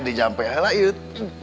dijampe anak yuk